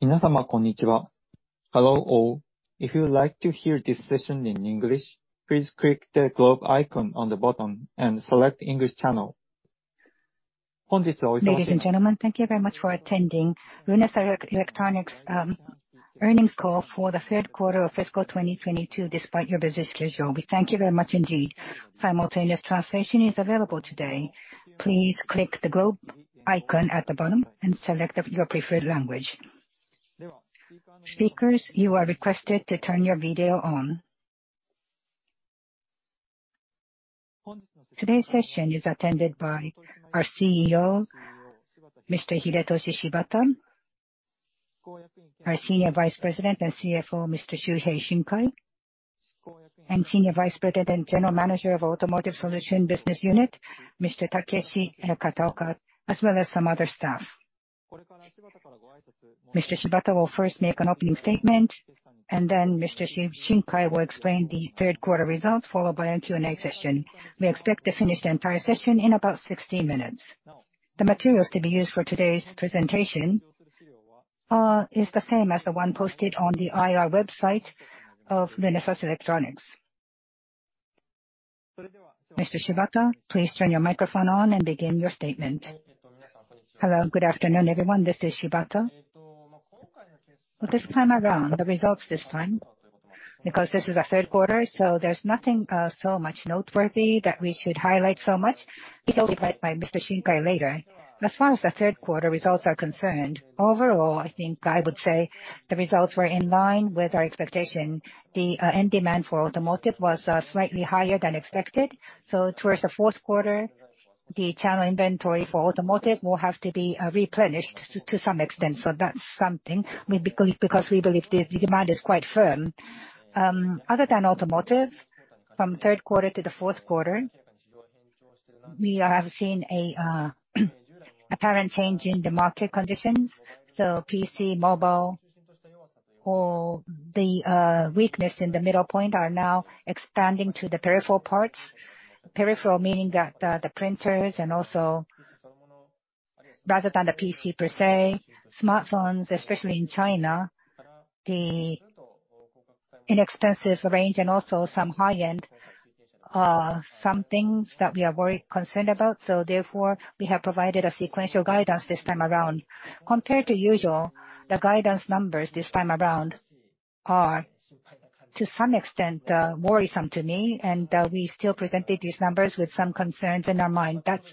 Ladies and gentlemen, thank you very much for attending Renesas Electronics Earnings Call for the Q3 of Fiscal 2022, despite your busy schedule. We thank you very much indeed. Simultaneous translation is available today. Please click the globe icon at the bottom and select your preferred language. Speakers, you are requested to turn your video on. Today's session is attended by our CEO, Mr. Hidetoshi Shibata, our Senior Vice President and CFO, Mr. Shuhei Shinkai, and Senior Vice President and General Manager of Automotive Solution Business Unit, Mr. Takeshi Kataoka, as well as some other staff. Mr. Shibata will 1st make an opening statement, and then Mr. Shinkai will explain the Q3 results, followed by a Q&A session. We expect to finish the entire session in about 60 minutes. The materials to be used for today's presentation is the same as the one posted on the IR website of Renesas Electronics. Mr. Shibata, please turn your microphone on and begin your statement. Hello, good afternoon, everyone. This is Shibata. This time around, the results this time, because this is our Q3, so there's nothing so much noteworthy that we should highlight so much. It will be led by Mr. Shinkai later. As far as the Q3 results are concerned, overall, I think I would say the results were in line with our expectation. The end demand for automotive was slightly higher than expected. Towards the Q4, the channel inventory for automotive will have to be replenished to some extent, so that's something. We believe the demand is quite firm. Other than automotive, from Q3 to the Q4, we have seen an apparent change in the market conditions. PC, mobile, or the weakness in the midpoint are now expanding to the peripheral parts. Peripheral meaning the printers and also rather than the PC per se, smartphones, especially in China, the inexpensive range and also some high-end are some things that we are very concerned about. Therefore, we have provided a sequential guidance this time around. Compared to usual, the guidance numbers this time around are, to some extent, worrisome to me, and we still presented these numbers with some concerns in our mind. That's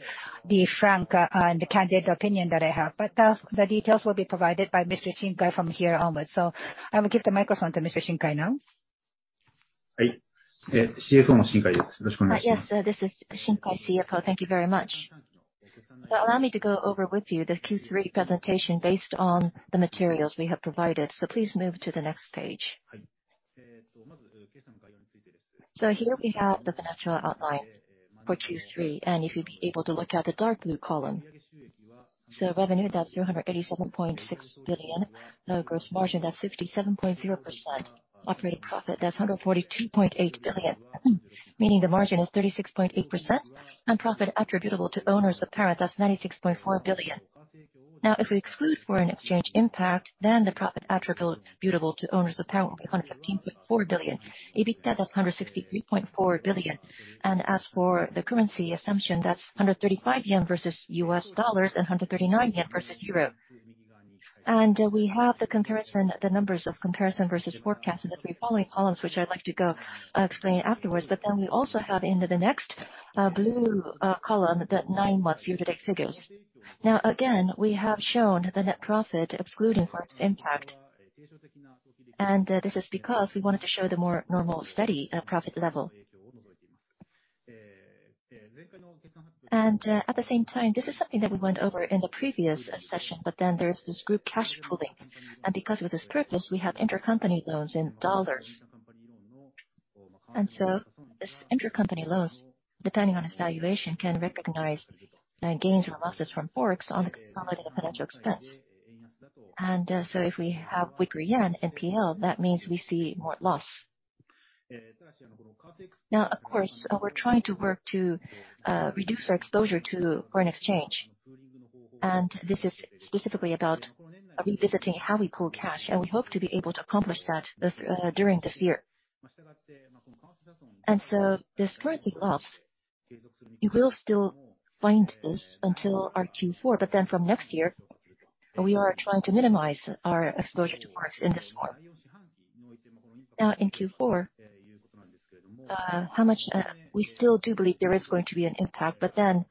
the frank and candid opinion that I have. The details will be provided by Mr. Shinkai from here onwards. I will give the microphone to Mr. Shinkai now. Yes, this is Shinkai, CFO, thank you very much. Allow me to go over with you the Q3 presentation based on the materials we have provided. Please move to the next page. Here we have the financial outline for Q3. If you'll be able to look at the dark blue column, revenue, that's 387.6 billion. The gross margin, that's 67.0%. Operating profit, that's 142.8 billion, meaning the margin is 36.8%. Profit attributable to owners of parent, that's 96.4 billion. Now, if we exclude foreign exchange impact, then the profit attributable to owners of parent will be 115.4 billion. EBITDA, that's 163.4 billion. As for the currency assumption, that's 135 yen versus USD and JPY 139 versus EUR. We have the comparison, the numbers for comparison versus forecast in the three following columns, which I'd like to explain afterwards. We also have in the next blue column the nine-month year-to-date figures. Now, again, we have shown the net profit excluding forex impact. This is because we wanted to show the more normal, steady profit level. At the same time, this is something that we went over in the previous session, there's this group cash pooling. Because of this purpose, we have intercompany loans in dollars. This intercompany loans, depending on its valuation, can recognize gains or losses from forex on the consolidated financial expense. If we have weaker yen P&L, that means we see more loss. Now, of course, we're trying to work to reduce our exposure to foreign exchange. This is specifically about revisiting how we pool cash, and we hope to be able to accomplish that during this year. This currency loss, you will still find this until our Q4, but then from next year, we are trying to minimize our exposure to forex in this form. Now, in Q4, how much we still do believe there is going to be an impact, but then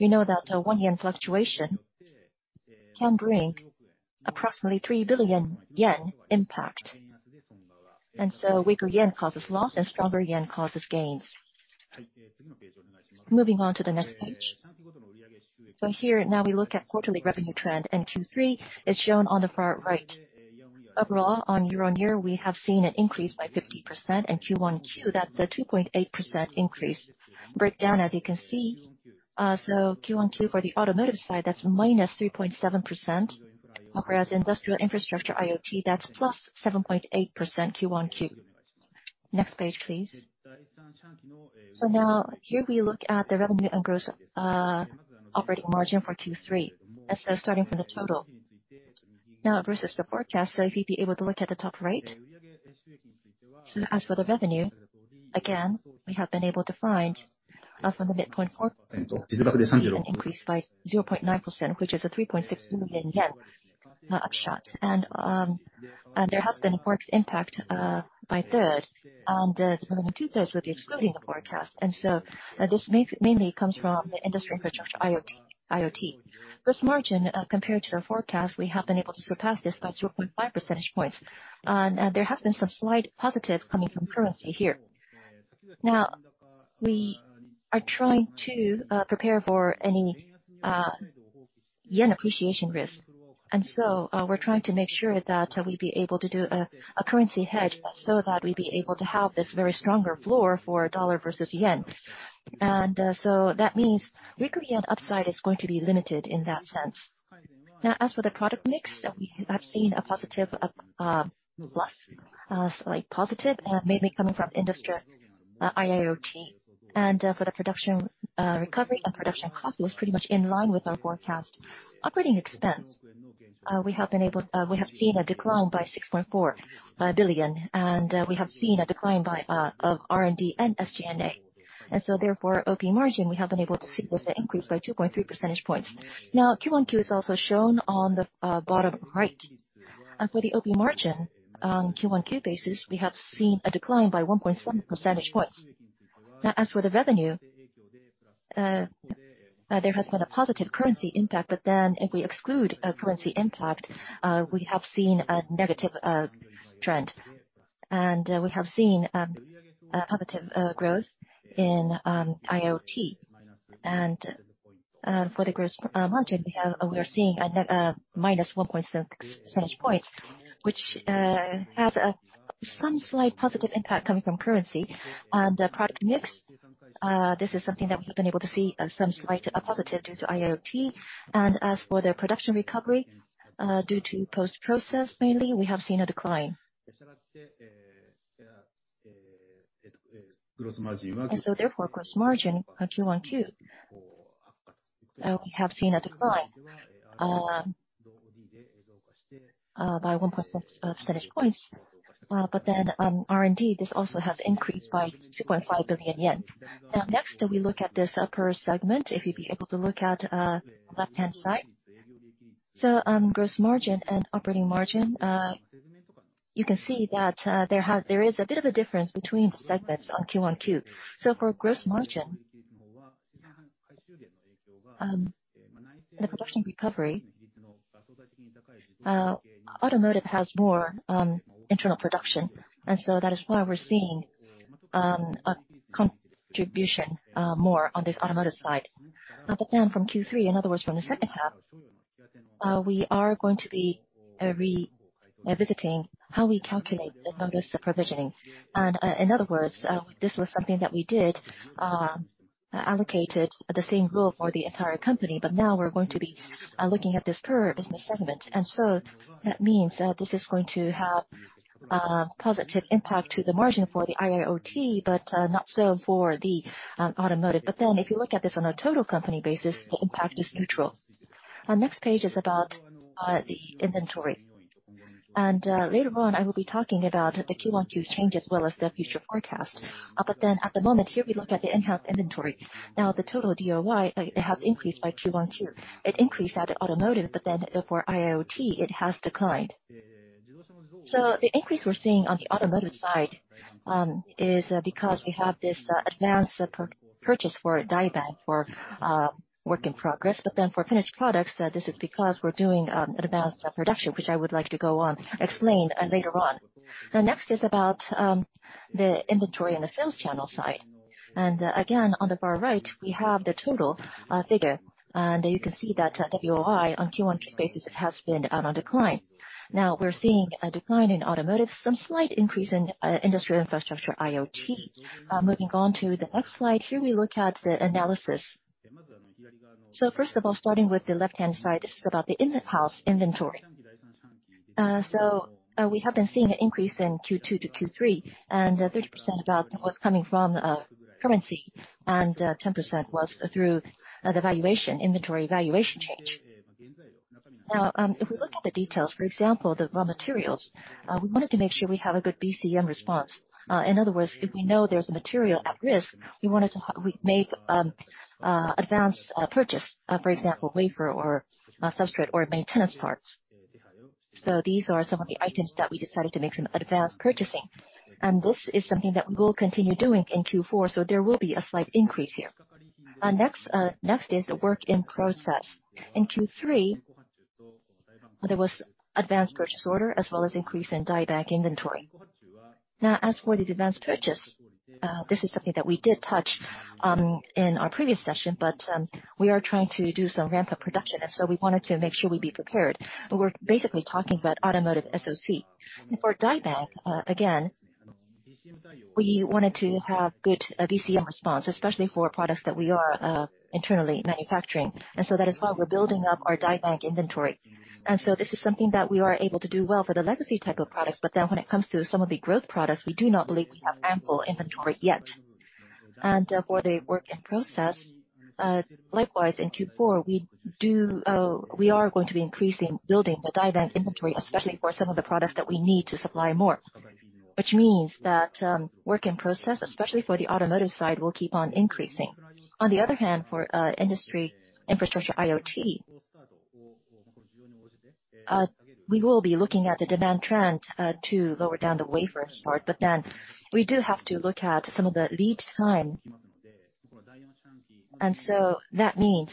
we know that one yen fluctuation can bring approximately 3 billion yen impact. A weaker yen causes loss and stronger yen causes gains. Moving on to the next page. Here, now we look at quarterly revenue trend, and Q3 is shown on the far right. Overall, on year-on-year, we have seen an increase by 50%. In Q-on-Q, that's a 2.8% increase. Breakdown, as you can see, Q-on-Q for the automotive side, that's -3.7%. Whereas industrial infrastructure IoT, that's +7.8% Q-on-Q. Next page, please. Now here we look at the revenue and gross operating margin for Q3, starting from the total. Now versus the forecast, if you'd be able to look at the top right. As for the revenue, again, we have been able to find, from the midpoint forward, an increase by 0.9% which is 3.6 million yen upside. There has been FX impact by a third, and two-thirds would be excluding the forecast. This mainly comes from the industry, infrastructure, IoT. This margin compared to the forecast, we have been able to surpass this by 0.5 percentage points. There has been some slight positive coming from currency here. Now, we are trying to prepare for any yen appreciation risk. We're trying to make sure that we'd be able to do a currency hedge, so that we'd be able to have this very stronger floor for dollar versus yen. So that means weakly on upside is going to be limited in that sense. Now as for the product mix, we have seen a positive plus slight positive mainly coming from industry, IIoT. For the production recovery and production cost was pretty much in line with our forecast. Operating expense, we have seen a decline by 6.4 billion of R&D and SG&A. OP margin, we have been able to see this increase by 2.3 percentage points. Now, Q-on-Q is also shown on the bottom right. For the OP margin on Q-on-Q basis, we have seen a decline by 1.7 percentage points. Now, as for the revenue, there has been a positive currency impact, but then if we exclude currency impact, we have seen a negative trend. We have seen a positive growth in IoT. For the gross margin, we are seeing a net minus 1.6 percentage points, which has some slight positive impact coming from currency and product mix. This is something that we have been able to see as some slight positive due to IIoT. As for their production recovery due to post-process, mainly, we have seen a decline. Gross margin. Therefore, gross margin on Q-on-Q, we have seen a decline by 1.6 percentage points. R&D this also has increased by 2.5 billion yen. Now, next, we look at this per segment, if you'd be able to look at left-hand side. Gross margin and operating margin, you can see that there is a bit of a difference between segments on Q-on-Q. For gross margin, the production recovery, automotive has more internal production, and so that is why we're seeing a contribution more on this automotive side. From Q3, in other words, from the 2nd half, we are going to be revisiting how we calculate the cost of provisioning. In other words, this was something that we did allocated the same rule for the entire company, but now we're going to be looking at this per business segment. That means that this is going to have positive impact to the margin for the IIoT, but not so for the automotive. If you look at this on a total company basis, the impact is neutral. Our next page is about the inventory. Later on, I will be talking about the Q-on-Q change as well as the future forecast. At the moment here, we look at the in-house inventory. Now, the total DOI it has increased by Q-on-Q. It increased at automotive, but then for IIoT, it has declined. The increase we're seeing on the automotive side is because we have this advanced purchase for die bank for work in progress. For finished products, this is because we're doing advanced production, which I would like to go on explain later on. Now next is about the inventory in the sales channel side. Again, on the far right, we have the total figure. You can see that WOI on Q-on-Q basis has been on decline. Now, we're seeing a decline in automotive, some slight increase in industrial infrastructure IoT. Moving on to the next slide, here we look at the analysis. 1st of all, starting with the left-hand side, this is about the in-house inventory. We have been seeing an increase in Q2-Q3, and 30% of that was coming from currency, and 10% was through the valuation, inventory valuation change. Now, if we look at the details, for example, the raw materials, we wanted to make sure we have a good BCM response. In other words, if we know there's a material at risk, we make advanced purchase, for example, wafer or substrate or maintenance parts. These are some of the items that we decided to make some advanced purchasing, and this is something that we'll continue doing in Q4, so there will be a slight increase here. Next is the work in process. In Q3, there was advanced purchase order as well as increase in die bank inventory. Now, as for the advanced purchase, this is something that we did touch in our previous session, but we are trying to do some ramp-up production, and so we wanted to make sure we'd be prepared. We're basically talking about automotive SOC. For die bank, again, we wanted to have good BCM response, especially for products that we are internally manufacturing. That is why we're building up our die bank inventory. This is something that we are able to do well for the legacy type of products, but then when it comes to some of the growth products, we do not believe we have ample inventory yet. For the work in process, likewise, in Q4, we are going to be increasing building the die bank inventory, especially for some of the products that we need to supply more, which means that work in process, especially for the automotive side, will keep on increasing. On the other hand, for industry infrastructure IoT, we will be looking at the demand trend to lower down the wafer start, but then we do have to look at some of the lead time. That means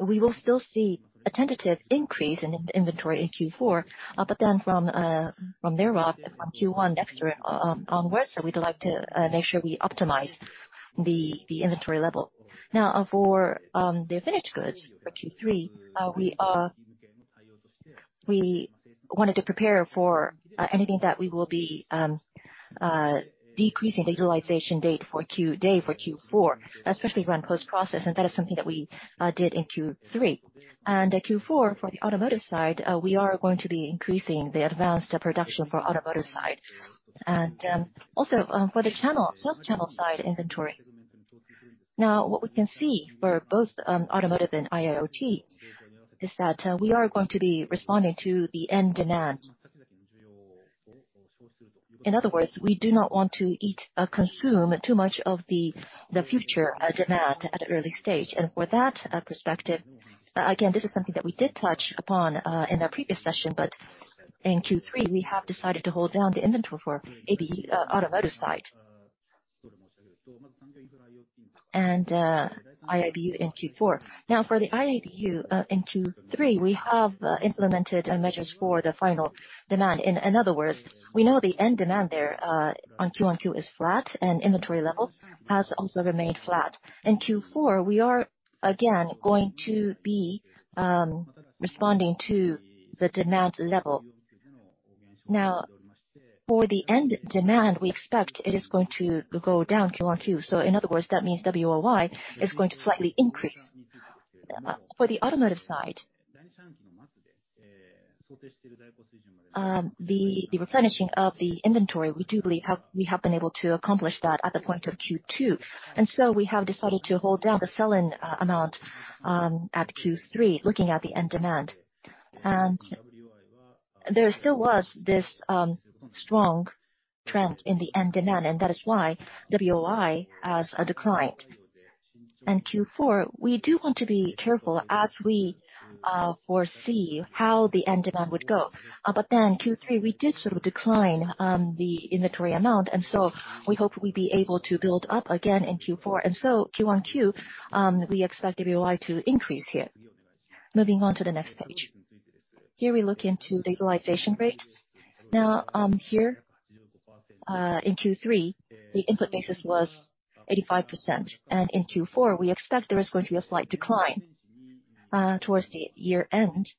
we will still see a tentative increase in inventory in Q4. But then from thereafter, from Q1 next year onwards, we'd like to make sure we optimize the inventory level. Now for the finished goods for Q3, we wanted to prepare for anything that we will be decreasing the utilization rate for Q4, especially in post-process, and that is something that we did in Q3. Q4, for the automotive side, we are going to be increasing the advanced production for automotive side. Also, for the channel, sales channel side inventory. Now, what we can see for both automotive and IIoT is that we are going to be responding to the end demand. In other words, we do not want to eat or consume too much of the future demand at an early stage. For that perspective, again, this is something that we did touch upon in our previous session, but in Q3, we have decided to hold down the inventory for ABU, automotive side, and IIBU in Q4. Now, for the IIBU in Q3, we have implemented measures for the end demand. In other words, we know the end demand there on Q-on-Q is flat, and inventory level has also remained flat. In Q4, we are again going to be responding to the demand level. Now, for the end demand, we expect it is going to go down Q-on-Q. In other words, that means WOI is going to slightly increase. For the automotive side, the replenishing of the inventory, we believe we have been able to accomplish that at the point of Q2. We have decided to hold down the sell-in amount at Q3, looking at the end demand. There still was this strong trend in the end demand, and that is why WOI has declined. In Q4, we do want to be careful as we foresee how the end demand would go. Q3, we did sort of decline the inventory amount, and so we hope we'd be able to build up again in Q4. Q-on-Q, we expect WOI to increase here. Moving on to the next page. Here we look into the utilization rate. Now, here, in Q3, the input basis was 85%. In Q4, we expect there is going to be a slight decline. Towards the year-end,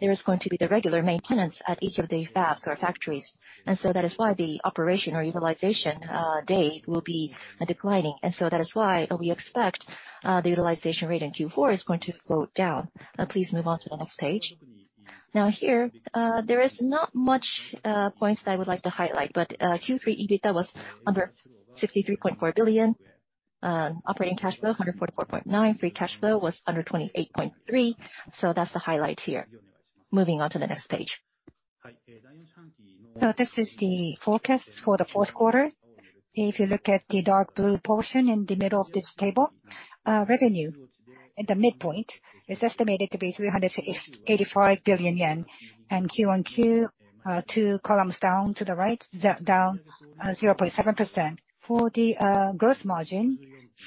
there is going to be the regular maintenance at each of the fabs or factories. That is why the operation or utilization rate will be declining. That is why we expect the utilization rate in Q4 is going to go down. Please move on to the next page. Now here, there is not much points that I would like to highlight, but Q3 EBITDA was under 63.4 billion. Operating cash flow, 144.9 billion. Free cash flow was under 28.3 billion. That's the highlights here. Moving on to the next page. This is the forecast for the Q4. If you look at the dark blue portion in the middle of this table, revenue at the midpoint is estimated to be 385 billion yen. Q-on-Q, two columns to the right, down 0.7%. For the gross margin,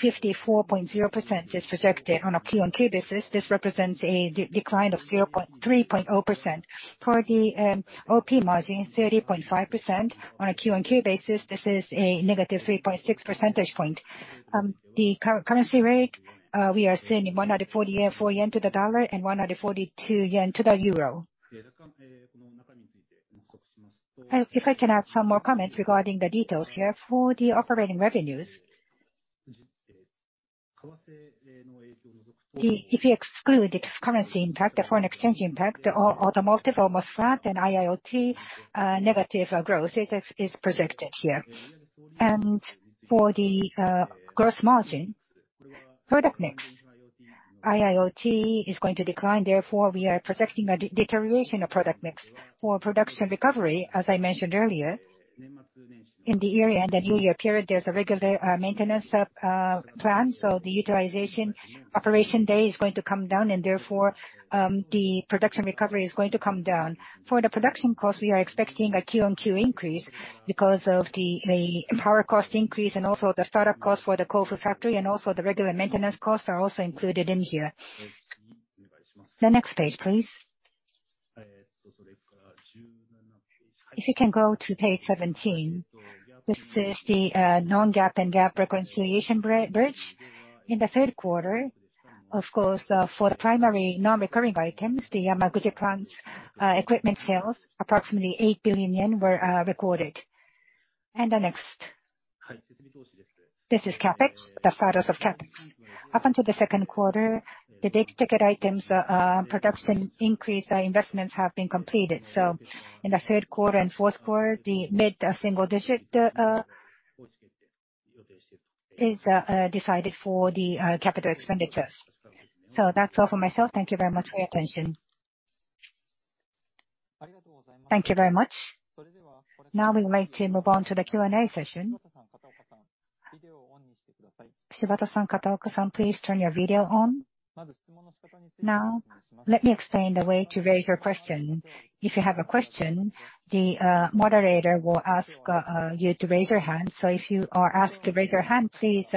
54.0% is projected on a Q-on-Q basis. This represents a decline of 0.3%. For the OP margin, 30.5% on a Q-on-Q basis, this is a negative 3.6 percentage point. The currency rate, we are seeing 144 yen to the dollar and 142 yen to the euro. If I can add some more comments regarding the details here. For the operating revenues, if you exclude the currency impact, the foreign exchange impact, automotive almost flat and IIoT negative growth is projected here. For the gross margin, product mix, IIoT is going to decline, therefore we are projecting a deterioration of product mix. For production recovery, as I mentioned earlier, in the year-end and new year period, there's a regular maintenance plan, so the utilization operation day is going to come down, and therefore, the production recovery is going to come down. For the production cost, we are expecting a Q-on-Q increase because of the power cost increase and also the startup cost for the Kofu factory, and also the regular maintenance costs are also included in here. The next page, please. If you can go to page 17, this is the non-GAAP and GAAP reconciliation bridge. In the Q3, of course, for the primary non-recurring items, the Yamaguchi plant's equipment sales, approximately 8 billion yen were recorded. The next. This is CapEx, the status of CapEx. Up until the Q2, the big-ticket items production increase investments have been completed. In the Q3 and Q4, the mid single digit is decided for the capital expenditures. That's all for myself. Thank you very much for your attention. Thank you very much. Now we would like to move on to the Q&A session. Shibata-san, Kataoka-san, please turn your video on. Now, let me explain the way to raise your question. If you have a question, the moderator will ask you to raise your hand. If you are asked to raise your hand, please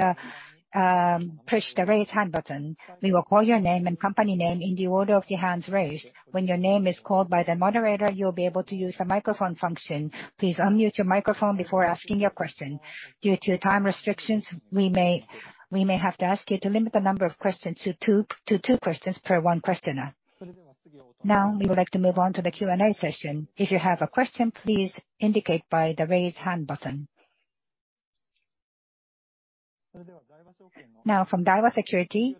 push the Raise Hand button. We will call your name and company name in the order of the hands raised. When your name is called by the moderator, you'll be able to use the microphone function. Please unmute your microphone before asking your question. Due to time restrictions, we may have to ask you to limit the number of questions to two questions per one questioner. Now we would like to move on to the Q&A session. If you have a question, please indicate by the Raise Hand button. Now from Daiwa Securities,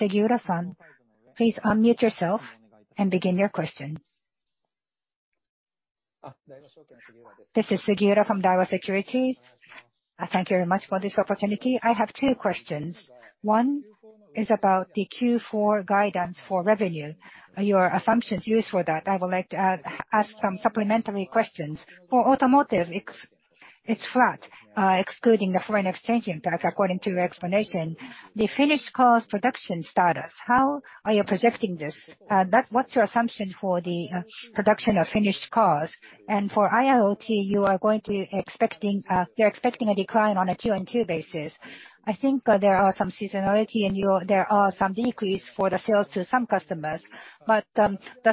Sugiura-san, please unmute yourself and begin your question. This is Sugiura from Daiwa Securities. I thank you very much for this opportunity. I have two questions. One is about the Q4 guidance for revenue. Your assumptions used for that, I would like to ask some supplementary questions. For automotive it's flat, excluding the foreign exchange impact according to your explanation. The finished cars production status, how are you projecting this? What's your assumption for the production of finished cars? For IIoT, you're expecting a decline on a Q-on-Q basis. I think there are some seasonality and there are some decrease for the sales to some customers. Does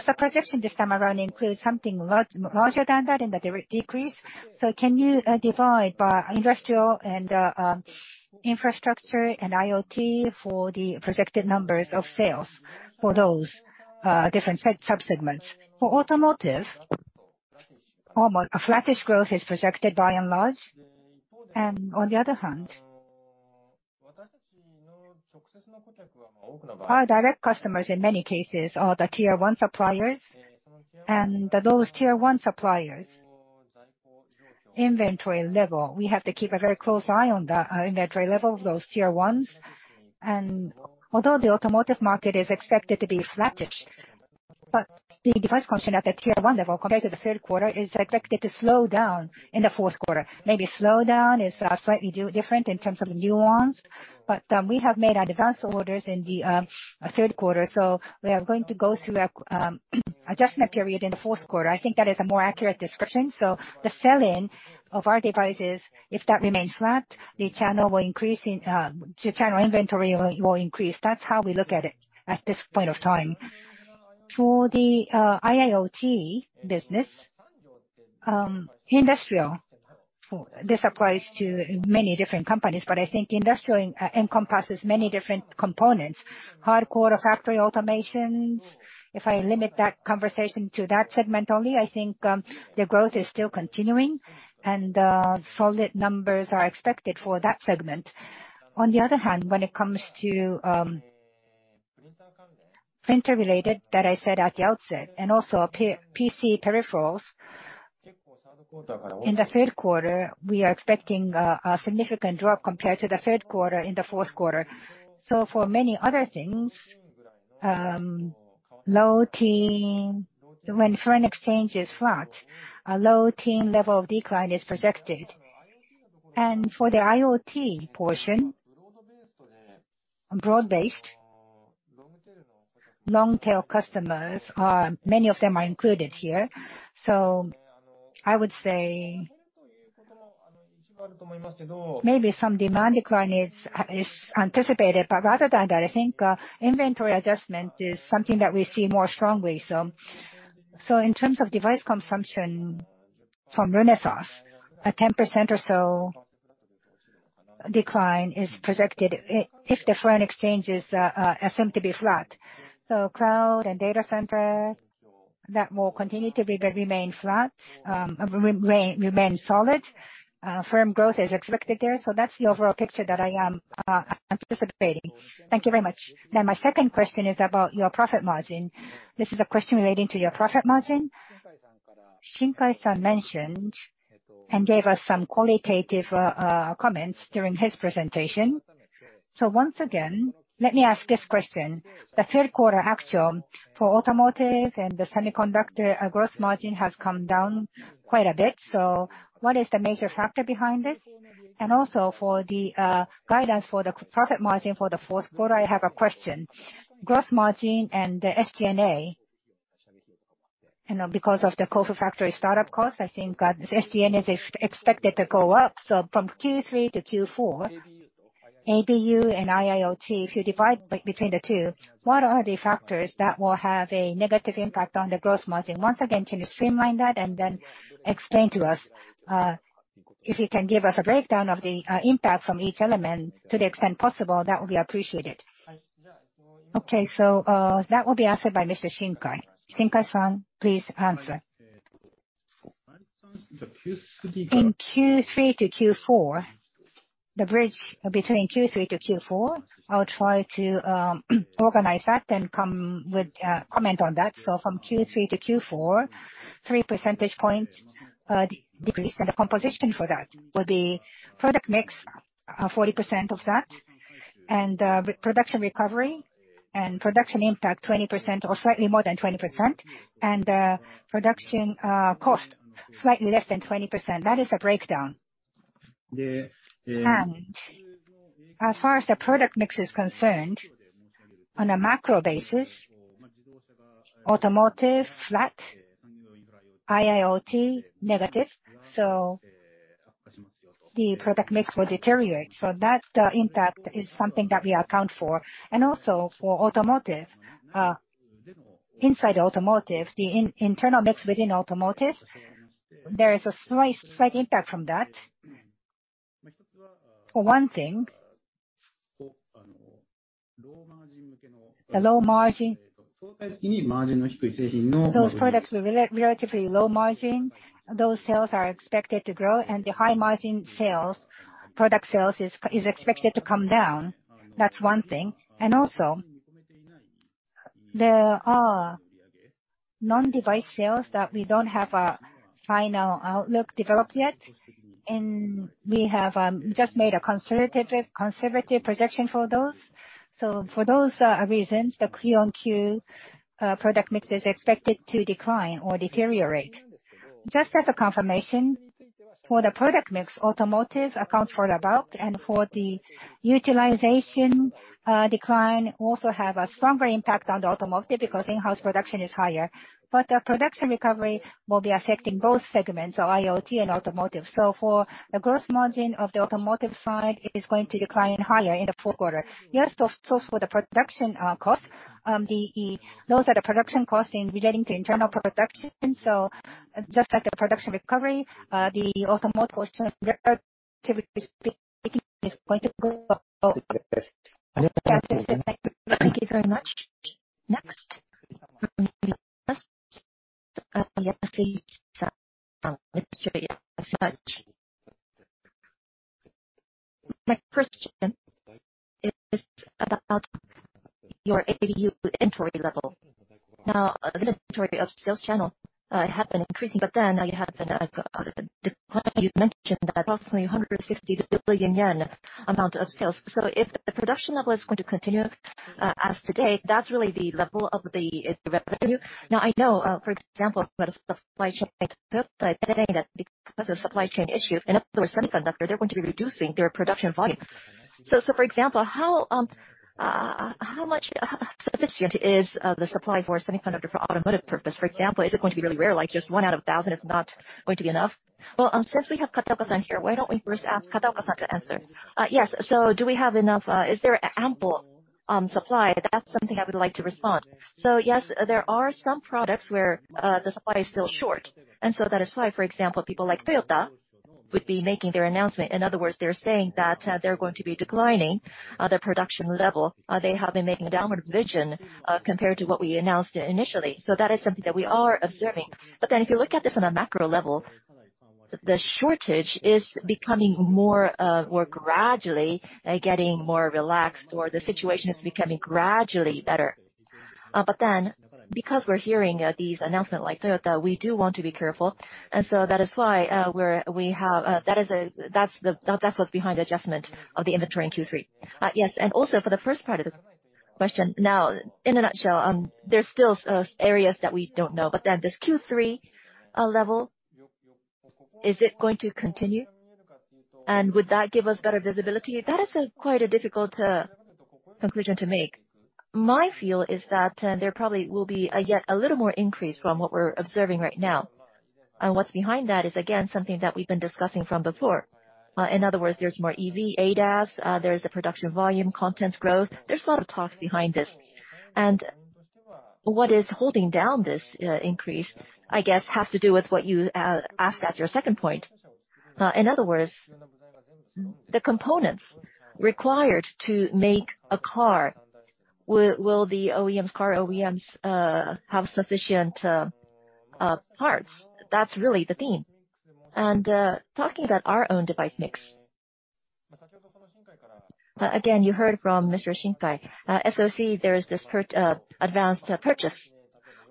the projection this time around include something larger than that in the decrease? Can you divide by industrial and infrastructure and IoT for the projected numbers of sales for those different subsegments? For automotive, a flattish growth is projected by and large. On the other hand. Our direct customers in many cases are the tier one suppliers. Those tier one suppliers inventory level, we have to keep a very close eye on the inventory level of those tier ones. Although the automotive market is expected to be flattish, but the device consumption at the tier one level compared to the Q3 is expected to slow down in the Q4. Maybe slow down is slightly different in terms of nuance, but we have made our advanced orders in the third quarter, so we are going to go through an adjustment period in the fourth quarter. I think that is a more accurate description. The sell-in of our devices, if that remains flat, the channel inventory will increase. That's how we look at it at this point of time. For the IIoT business, industrial, this applies to many different companies, but I think industrial encompasses many different components. Hardcore factory automations, if I limit that conversation to that segment only, I think the growth is still continuing and solid numbers are expected for that segment. On the other hand, when it comes to printer related, that I said at the outset, and also PC peripherals, in the Q3 we are expecting a significant drop compared to the Q3 in the Q4. For many other things, low teen, when foreign exchange is flat, a low-teen level of decline is projected. For the IoT portion, broad-based, long-tail customers are many of them included here. I would say maybe some demand decline is anticipated, but rather than that, I think inventory adjustment is something that we see more strongly. In terms of device consumption from Renesas, a 10% or so decline is projected if the foreign exchange is assumed to be flat. Cloud and data center, that will continue to remain flat, remain solid. Firm growth is expected there, so that's the overall picture that I am anticipating. Thank you very much. Now my 2nd question is about your profit margin. This is a question relating to your profit margin. Shinkai-san mentioned and gave us some qualitative comments during his presentation. Once again, let me ask this question. The Q3 actual for automotive and the semiconductor gross margin has come down quite a bit, so what is the major factor behind this? Also for the guidance for the profit margin for the Q4, I have a question. Gross margin and the SG&A, you know, because of the Kofu factory startup cost, I think, the SG&A is expected to go up. From Q3 to Q4, ABU and IIoT, if you divide between the two, what are the factors that will have a negative impact on the gross margin? Once again, can you streamline that and then explain to us, if you can give us a breakdown of the impact from each element to the extent possible, that would be appreciated. Okay. That will be answered by Mr. Shinkai. Shinkai-san, please answer. In Q3-Q4, the bridge between Q3-Q4, I'll try to organize that and come with comment on that. From Q3-Q4, three percentage point decrease in the composition for that will be product mix. 40% of that. Production recovery and production impact, 20% or slightly more than 20%. Production cost, slightly less than 20%. That is the breakdown. As far as the product mix is concerned, on a macro basis, automotive flat, IIoT negative. The product mix will deteriorate. That impact is something that we account for. Also for automotive, inside automotive, the internal mix within automotive, there is a slight impact from that. For one thing, the low margin. Those products with relatively low margin, those sales are expected to grow, and the high margin sales, product sales is expected to come down. That's one thing. Also, there are non-device sales that we don't have a final outlook developed yet. We have just made a conservative projection for those. For those reasons, the Q-on-Q product mix is expected to decline or deteriorate. Just as a confirmation, for the product mix, automotive accounts for about, and for the utilization decline, also have a stronger impact on the automotive because in-house production is higher. The production recovery will be affecting both segments, so IIoT and automotive. For the gross margin of the automotive side, it is going to decline higher in the Q4. Yes, so for the production cost, those are the production costs in relating to internal production. Just like the production recovery, the automotive is going to go up. Thank you very much. Next. My question is about your ABU inventory level. Now, the inventory of sales channel have been increasing, but then you have the decline you've mentioned that approximately 160 billion yen amount of sales. If the production level is going to continue as today, that's really the level of the revenue. Now, I know, for example, about a supply chain saying that because of supply chain issue, in other words, semiconductor, they're going to be reducing their production volume. For example, how much sufficient is the supply for semiconductor for automotive purpose? For example, is it going to be really rare, like just one out of 1,000 is not going to be enough? Well, since we have Kataoka-san here, why don't we 1st ask Kataoka-san to answer? Yes. Do we have enough, is there ample supply? That's something I would like to respond. Yes, there are some products where the supply is still short, and that is why, for example, people like Toyota would be making their announcement. In other words, they're saying that they're going to be declining their production level. They have been making a downward revision compared to what we announced initially. That is something that we are observing. If you look at this on a macro level, the shortage is becoming more gradually getting more relaxed or the situation is becoming gradually better. Because we're hearing these announcements like Toyota, we do want to be careful. That is why we have. That's what's behind the adjustment of the inventory in Q3. Yes, and also for the 1st part of the question. Now, in a nutshell, there's still areas that we don't know. This Q3 level, is it going to continue? Would that give us better visibility? That is quite a difficult conclusion to make. My feel is that there probably will be yet a little more increase from what we're observing right now. What's behind that is again, something that we've been discussing from before. In other words, there's more EV, ADAS, there's the production volume, contents growth. There's a lot of talks behind this. What is holding down this increase, I guess has to do with what you asked as your 2nd point. In other words, the components required to make a car, will the OEMs, car OEMs, have sufficient parts? That's really the theme. Talking about our own device mix. Again, you heard from Mr. Shinkai. SOC, there is this advanced purchase.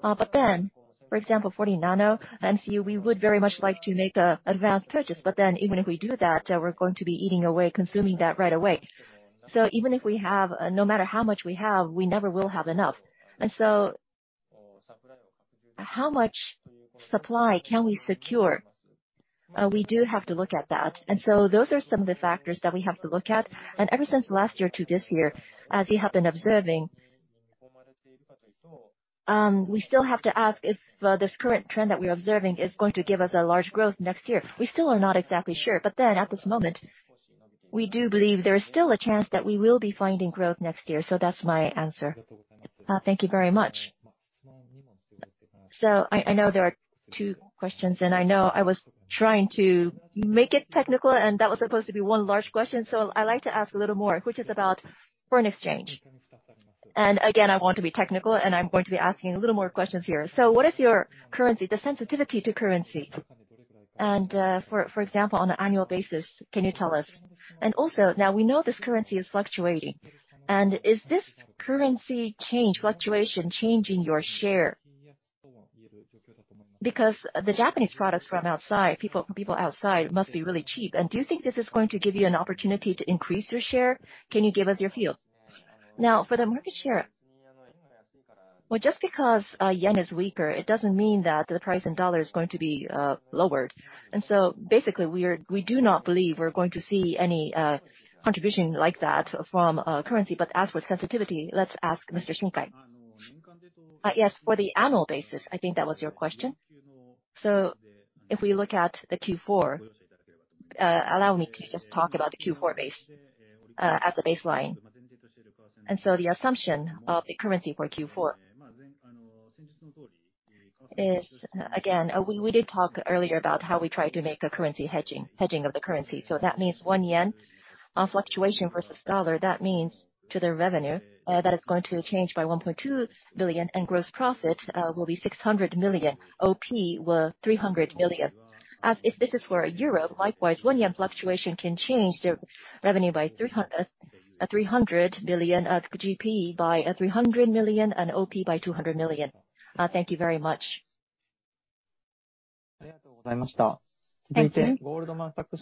But then, for example, 40nm MCU, we would very much like to make an advanced purchase, but then even if we do that, we're going to be eating away, consuming that right away. So even if we have, no matter how much we have, we never will have enough. How much supply can we secure? We do have to look at that. Those are some of the factors that we have to look at. Ever since last year to this year, as you have been observing, we still have to ask if this current trend that we're observing is going to give us a large growth next year. We still are not exactly sure. At this moment, we do believe there is still a chance that we will be finding growth next year. That's my answer. Thank you very much. I know there are two questions, and I know I was trying to make it technical, and that was supposed to be one large question. I'd like to ask a little more, which is about foreign exchange. Again, I want to be technical, and I'm going to be asking a little more questions here. What is your currency, the sensitivity to currency? For example, on an annual basis, can you tell us? Also, now we know this currency is fluctuating, and is this currency change fluctuation changing your share? Because the Japanese products from outside, people outside must be really cheap. Do you think this is going to give you an opportunity to increase your share? Can you give us your view? Now, for the market share. Well, just because yen is weaker, it doesn't mean that the price in dollar is going to be lowered. Basically, we do not believe we're going to see any contribution like that from currency. But as for sensitivity, let's ask Mr. Shinkai. Yes, for the annual basis, I think that was your question. If we look at the Q4, allow me to just talk about the Q4 base as a baseline. The assumption of the currency for Q4 is, again, we did talk earlier about how we try to make a currency hedging of the currency. That means 1 yen fluctuation versus dollar, that means to the revenue, that is going to change by 1.2 billion and gross profit will be 600 million, OP will 300 million. As if this is for a euro, likewise, 1 yen fluctuation can change the revenue by 300 million of GP by 300 million and OP by 200 million. Thank you very much. Thank you.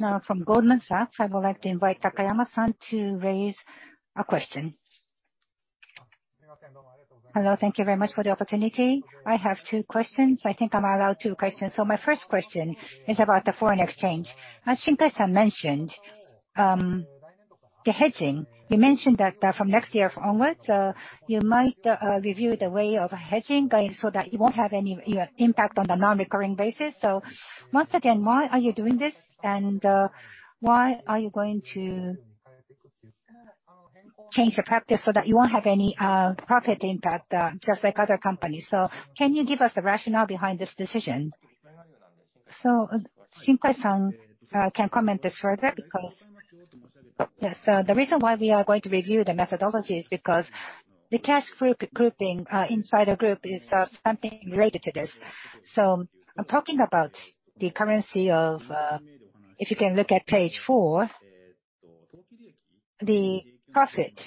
Now from Goldman Sachs, I would like to invite Takayama-san to raise a question. Hello. Thank you very much for the opportunity. I have two questions. I think I'm allowed two questions. My 1st question is about the foreign exchange. As Shinkai-san mentioned, the hedging. You mentioned that, from next year onwards, you might review the way of hedging so that you won't have any impact on the non-recurring basis. Once again, why are you doing this, and why are you going to change the practice so that you won't have any profit impact, just like other companies? Can you give us the rationale behind this decision? Shinkai-san can comment on this further. Yes. The reason why we are going to review the methodology is because the cash grouping inside the group is something related to this. I'm talking about the currency. If you can look at page four, the profit,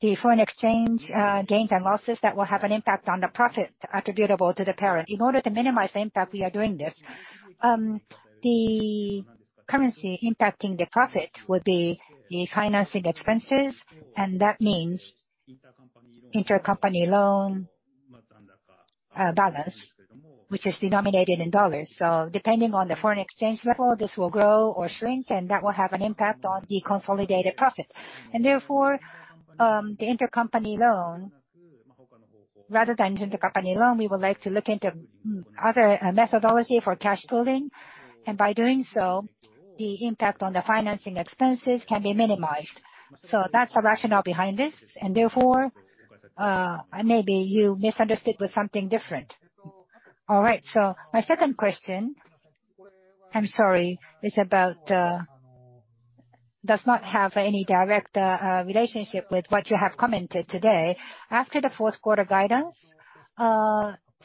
the foreign exchange gains and losses that will have an impact on the profit attributable to the parent. In order to minimize the impact, we are doing this. The currency impacting the profit would be the financing expenses, and that means intercompany loan balance, which is denominated in dollars. Depending on the foreign exchange level, this will grow or shrink, and that will have an impact on the consolidated profit. Therefore, the intercompany loan rather than intercompany loan, we would like to look into other methodology for cash pooling. By doing so, the impact on the financing expenses can be minimized. That's the rationale behind this. Therefore, maybe you misunderstood with something different. All right. My 2nd question, I'm sorry, is about does not have any direct relationship with what you have commented today. After the Q4 guidance,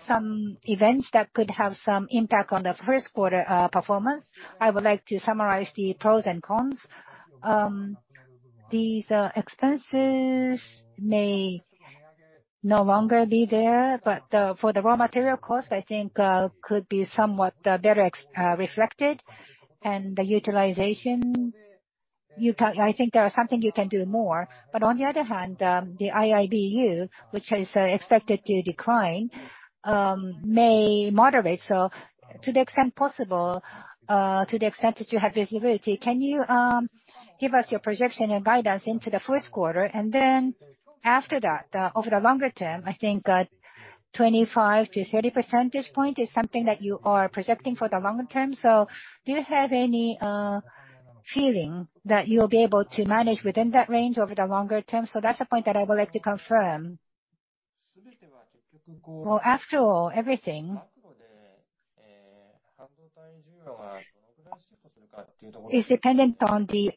some events that could have some impact on the Q1 performance, I would like to summarize the pros and cons. These expenses may no longer be there, but for the raw material cost, I think could be somewhat better reflected. The utilization, I think there is something you can do more. On the other hand, the IIBU, which is expected to decline, may moderate. To the extent possible, to the extent that you have visibility, can you give us your projection and guidance into the Q1? Then after that, over the longer term, I think, 25-30 percentage points is something that you are projecting for the longer term. Do you have any feeling that you will be able to manage within that range over the longer term? That's the point that I would like to confirm. Well, after all, everything is dependent on the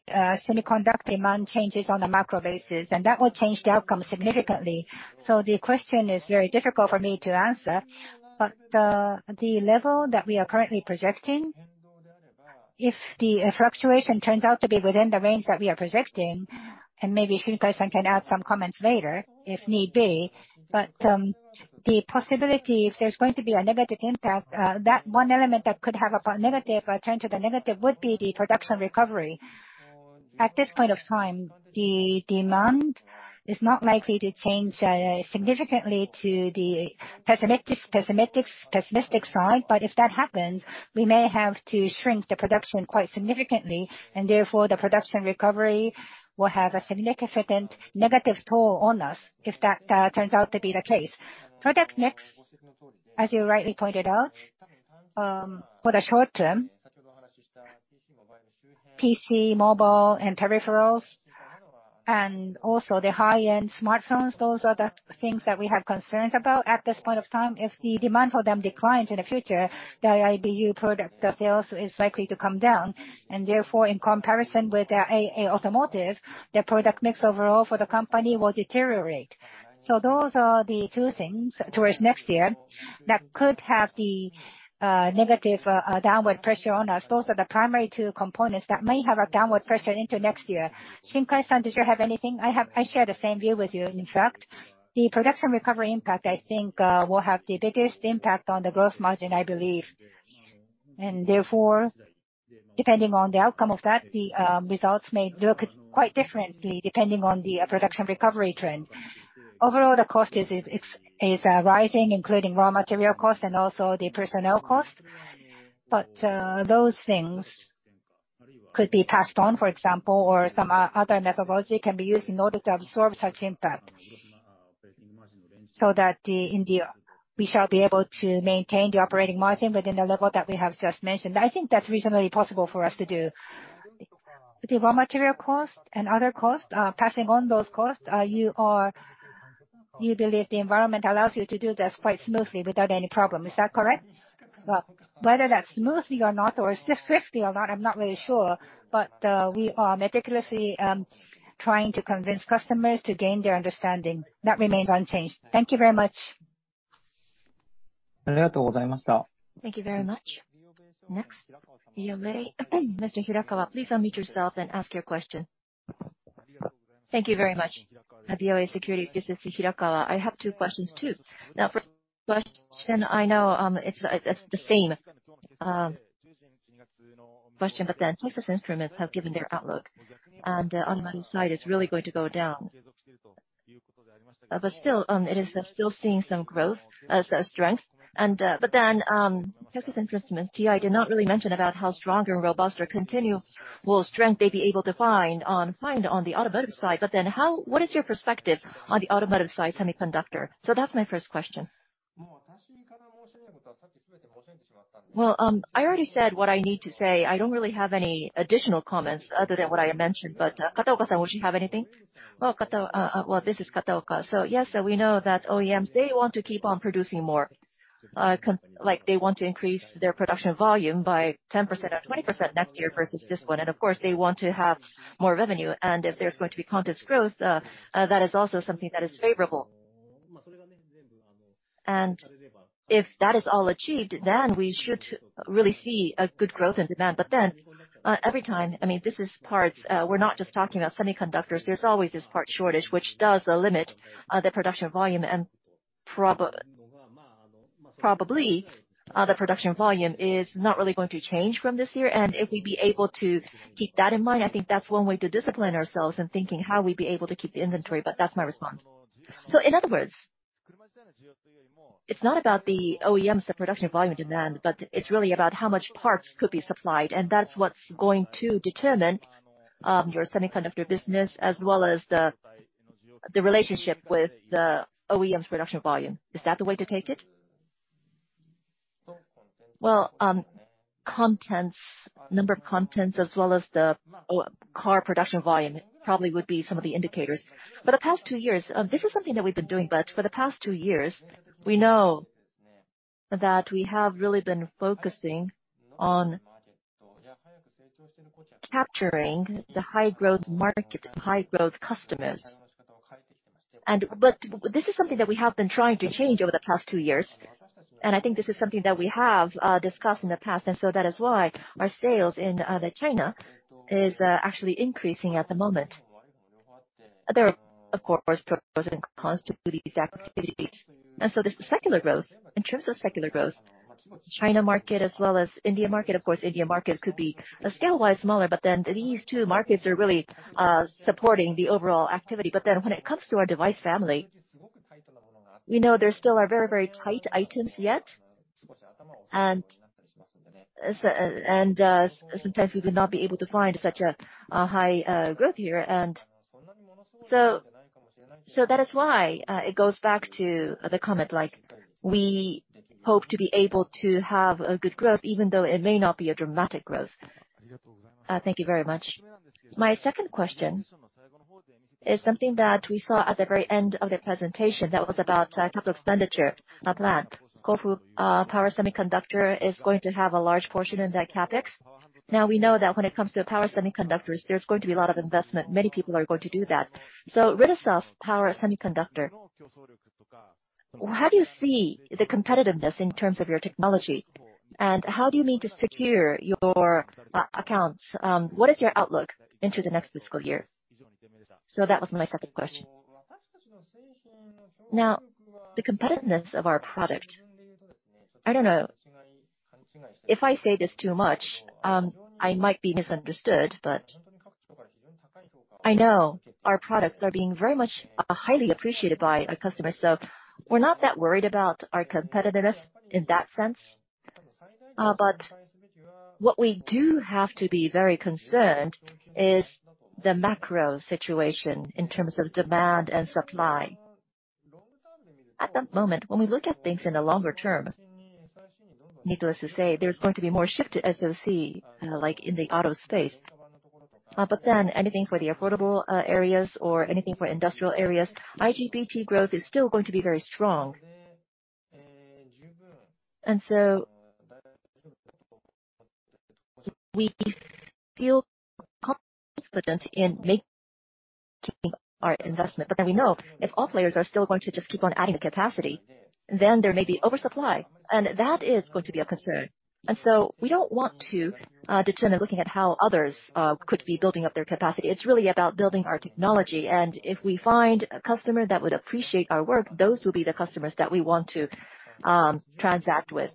semiconductor demand changes on a macro basis, and that will change the outcome significantly. The question is very difficult for me to answer. The level that we are currently projecting, if the fluctuation turns out to be within the range that we are projecting, and maybe Shinkai-san can add some comments later if need be. The possibility, if there's going to be a negative impact, that one element that could have a negative turn to the negative would be the production recovery. At this point of time, the demand is not likely to change significantly to the pessimistic side. If that happens, we may have to shrink the production quite significantly and therefore the production recovery will have a significant negative toll on us if that turns out to be the case. Product mix, as you rightly pointed out, for the short term, PC, mobile, and peripherals and also the high-end smartphones, those are the things that we have concerns about at this point of time. If the demand for them declines in the future, the IIBU product sales is likely to come down and therefore in comparison with ABU automotive, the product mix overall for the company will deteriorate. Those are the two things towards next year that could have the negative downward pressure on us. Those are the primary two components that may have a downward pressure into next year. Mr. Shuhei Shinkai, did you have anything? I have. I share the same view with you. In fact, the production recovery impact, I think, will have the biggest impact on the gross margin, I believe. Therefore, depending on the outcome of that, the results may look quite differently depending on the production recovery trend. Overall, the cost is rising, including raw material costs and also the personnel costs. Those things could be passed on, for example, or some other methodology can be used in order to absorb such impact so that we shall be able to maintain the operating margin within the level that we have just mentioned. I think that's reasonably possible for us to do. The raw material cost and other costs, passing on those costs, you believe the environment allows you to do this quite smoothly without any problem, is that correct? Well, whether that's smoothly or not, or swiftly or not, I'm not really sure. We are meticulously trying to convince customers to gain their understanding. That remains unchanged. Thank you very much. Thank you very much. Next, BofA, Mr. Hirakawa, please unmute yourself and ask your question. Thank you very much. BofA Securities, this is Hirakawa. I have two questions, too. Now, 1st question, I know, it's the same question, but Texas Instruments have given their outlook, and on my side, it's really going to go down. Still, it is still seeing some growth, strength. Texas Instruments, TI, did not really mention about how strong or robust or continual strength they'd be able to find on the automotive side. What is your perspective on the automotive side semiconductor? That's my 1st question. I already said what I need to say. I don't really have any additional comments other than what I mentioned. Kataoka-san, would you have anything? Well, this is Kataoka. Yes, we know that OEMs, they want to keep on producing more. They want to increase their production volume by 10% or 20% next year versus this one. Of course, they want to have more revenue. If there's going to be content growth, that is also something that is favorable. If that is all achieved, then we should really see a good growth in demand. Every time, I mean, this is parts, we're not just talking about semiconductors. There's always this part shortage, which does limit the production volume. Probably, the production volume is not really going to change from this year. If we'd be able to keep that in mind, I think that's one way to discipline ourselves in thinking how we'd be able to keep the inventory. That's my response. In other words, it's not about the OEMs, the production volume demand, but it's really about how much parts could be supplied, and that's what's going to determine your semiconductor business as well as the relationship with the OEM's production volume. Is that the way to take it? Contents, number of contents as well as the car production volume probably would be some of the indicators. For the past two years, this is something that we've been doing, but we know that we have really been focusing on capturing the high growth market, high growth customers. This is something that we have been trying to change over the past two years, and I think this is something that we have discussed in the past. That is why our sales in the China is actually increasing at the moment. There are, of course, pros and cons to these activities. This secular growth, in terms of secular growth, China market as well as India market, of course, India market could be scale-wise smaller, but then these two markets are really supporting the overall activity. When it comes to our device family, we know there still are very, very tight items yet. Sometimes we would not be able to find such a high growth here. That is why it goes back to the comment, like, we hope to be able to have a good growth even though it may not be a dramatic growth. Thank you very much. My 2nd question is something that we saw at the very end of the presentation. That was about capital expenditure plan. Kofu power semiconductor is going to have a large portion in that CapEx. Now we know that when it comes to power semiconductors, there is going to be a lot of investment. Many people are going to do that. Renesas power semiconductor, how do you see the competitiveness in terms of your technology, and how do you mean to secure your accounts? What is your outlook into the next fiscal year? That was my 2nd question. Now, the competitiveness of our product, I don't know. If I say this too much, I might be misunderstood, but I know our products are being very much highly appreciated by our customers, so we're not that worried about our competitiveness in that sense. What we do have to be very concerned is the macro situation in terms of demand and supply. At the moment, when we look at things in the longer term, needless to say, there's going to be more shift to SOC, like in the auto space. Anything for the affordable areas or anything for industrial areas, IGBT growth is still going to be very strong. We feel confident in making our investment. We know if all players are still going to just keep on adding the capacity, then there may be oversupply, and that is going to be a concern. We don't want to determine looking at how others could be building up their capacity. It's really about building our technology, and if we find a customer that would appreciate our work, those will be the customers that we want to transact with.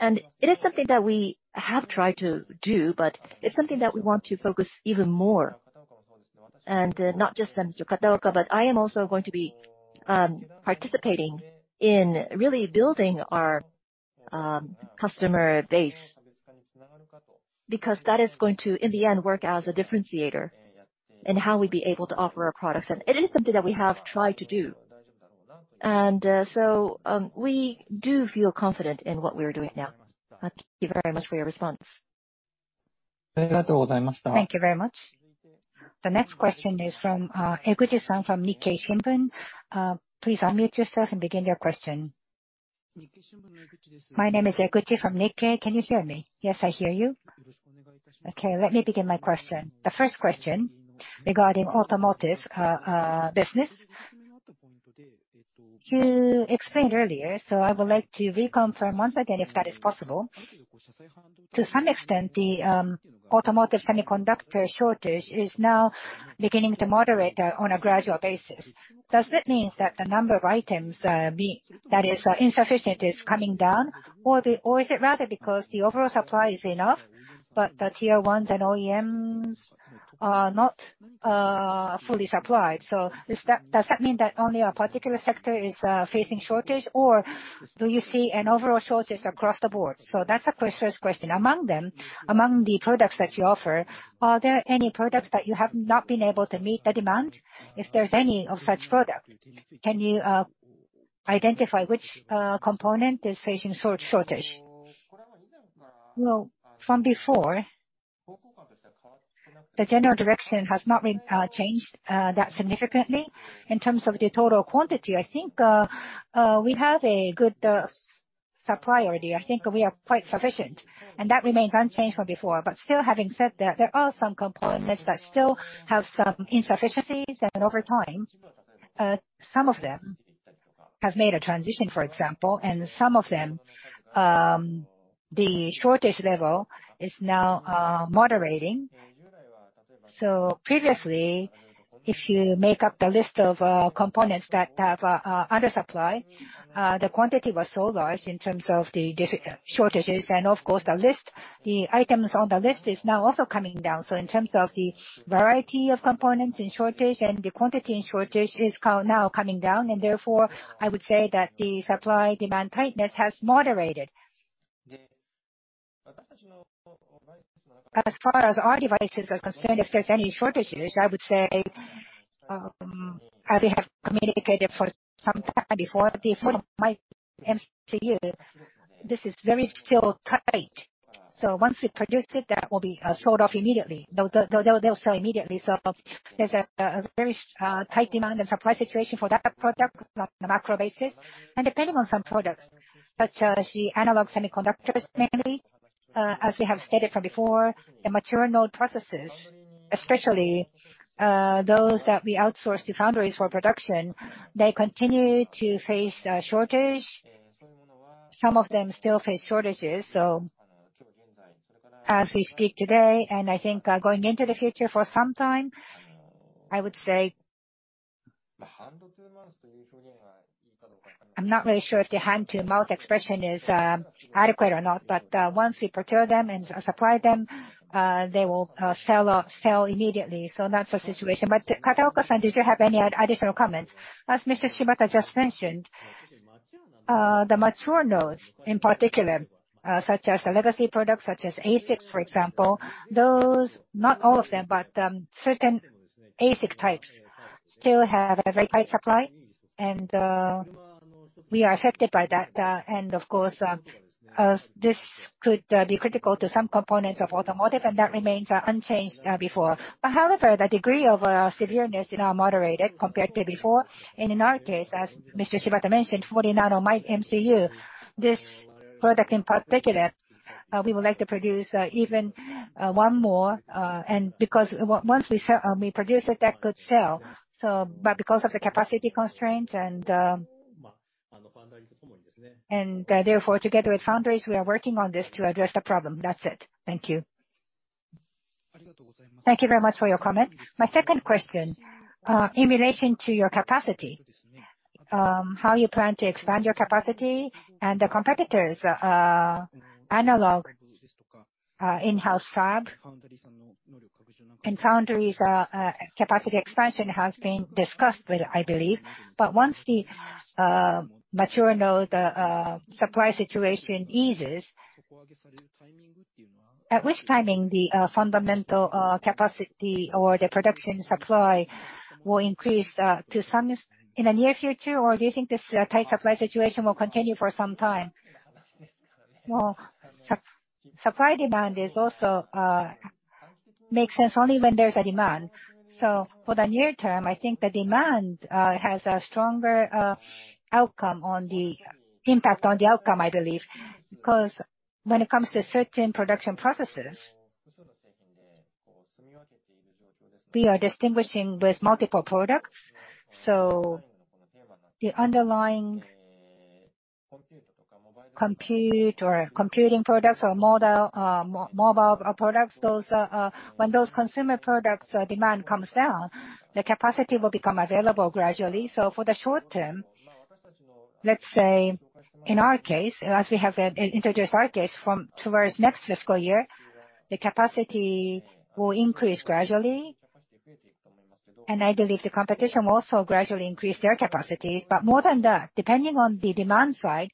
It is something that we have tried to do, but it's something that we want to focus even more. Not just Mr. Kataoka, but I am also going to be participating in really building our customer base, because that is going to, in the end, work as a differentiator in how we be able to offer our products. It is something that we have tried to do. We do feel confident in what we are doing now. Thank you very much for your response. Thank you very much. The next question is from Eguchi-san from Nikkei Shimbun. Please unmute yourself and begin your question. My name is Eguchi from Nikkei. Can you hear me? Yes, I hear you. Okay, let me begin my question. The 1st question regarding automotive business. You explained earlier, so I would like to reconfirm once again, if that is possible. To some extent, the automotive semiconductor shortage is now beginning to moderate on a gradual basis. Does that means that the number of items that is insufficient is coming down? Or is it rather because the overall supply is enough but the tier ones and OEMs are not fully supplied? Does that mean that only a particular sector is facing shortage? Or do you see an overall shortage across the board? That's the 1st question. Among the products that you offer, are there any products that you have not been able to meet the demand? If there's any of such product, can you identify which component is facing shortage? Well, from before, the general direction has not been changed that significantly. In terms of the total quantity, I think we have a good supply already. I think we are quite sufficient, and that remains unchanged from before. Still, having said that, there are some components that still have some insufficiencies, and over time some of them have made a transition, for example. Some of them, the shortage level is now moderating. Previously, if you make up the list of components that have undersupply, the quantity was so large in terms of shortages. Of course, the list, the items on the list is now also coming down. In terms of the variety of components in shortage and the quantity in shortage is now coming down, and therefore I would say that the supply-demand tightness has moderated. As far as our devices are concerned, if there's any shortages, I would say, as we have communicated for some time before, the 40nm MCU, this is still very tight. Once we produce it, that will be sold off immediately. They'll sell immediately. There's a very tight demand and supply situation for that product on a macro basis. Depending on some products, such as the analog semiconductors mainly, as we have stated from before, the mature node processes, especially, those that we outsource to foundries for production, they continue to face a shortage. Some of them still face shortages, so as we speak today, and I think, going into the future for some time, I would say. I'm not really sure if the hand-to-mouth expression is adequate or not, but, once we procure them and supply them, they will sell immediately. So that's the situation. Kataoka-san, did you have any additional comments? As Mr. Shibata just mentioned, the mature nodes in particular, such as the legacy products, such as ASICs, for example, those, not all of them, but, certain ASIC types still have a very tight supply. We are affected by that. Of course, this could be critical to some components of automotive, and that remains unchanged before. However, the degree of severity is now moderated compared to before. In our case, as Mr. Shibata mentioned, 40nm MCU, this product in particular, we would like to produce even one more, and because once we produce it, that could sell. But because of the capacity constraint and therefore together with foundries, we are working on this to address the problem. That's it. Thank you. Thank you very much for your comment. My 2nd question, in relation to your capacity, how you plan to expand your capacity and the competitors, Analog, in-house fab, and foundries capacity expansion has been discussed with, I believe. Once the mature node supply situation eases, at which timing the fundamental capacity or the production supply will increase in the near future? Do you think this tight supply situation will continue for some time? Well, supply demand is also makes sense only when there's a demand. For the near term, I think the demand has a stronger outcome on the impact on the outcome, I believe. Because when it comes to certain production processes, we are distinguishing with multiple products. The underlying compute or computing products or model mobile products, those when those consumer products demand comes down, the capacity will become available gradually. For the short term, let's say in our case, as we have introduced our case from towards next fiscal year. The capacity will increase gradually, and I believe the competition will also gradually increase their capacities. More than that, depending on the demand side,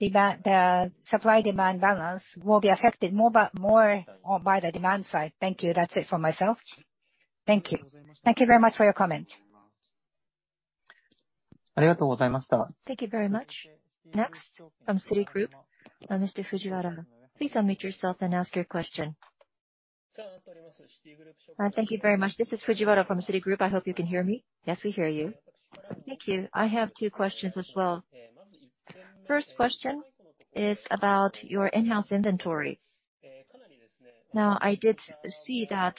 the supply/demand balance will be affected more by the demand side. Thank you. That's it for myself. Thank you. Thank you very much for your comment. Thank you very much. Next from Citigroup, Mr. Fujiwara. Please unmute yourself and ask your question. Thank you very much. This is Fujiwara from Citigroup. I hope you can hear me. Yes, we hear you. Thank you. I have two questions as well. 1st question is about your in-house inventory. Now, I did see that,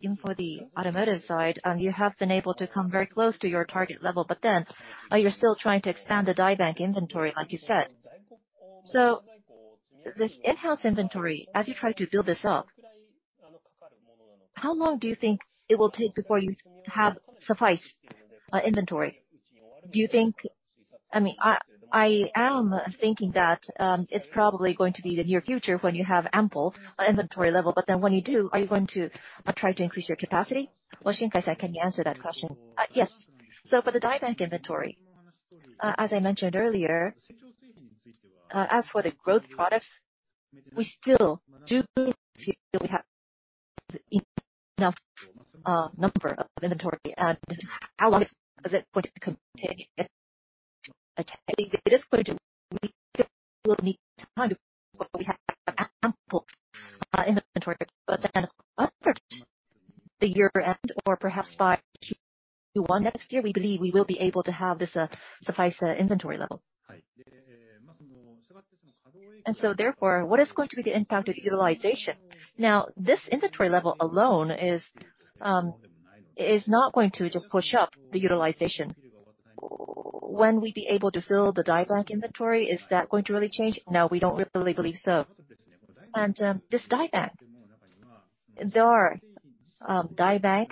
even for the automotive side, you have been able to come very close to your target level, but then, you're still trying to expand the die bank inventory, like you said. This in-house inventory, as you try to build this up, how long do you think it will take before you have sufficient inventory? I mean, I am thinking that, it's probably going to be the near future when you have ample inventory level, but then when you do, are you going to try to increase your capacity? Shinkai, can you answer that question? Yes. For the die bank inventory, as I mentioned earlier, as for the growth products, we still do believe we have enough number of inventory. How long is it going to continue? It is going to take a little time before we have ample inventory. Either the year-end or perhaps by Q1 next year, we believe we will be able to have this sufficient inventory level. What is going to be the impact of utilization? Now, this inventory level alone is not going to just push up the utilization. When we'll be able to fill the die bank inventory, is that going to really change? No, we don't really believe so. This die bank, there are die bank